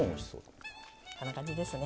こんな感じですね。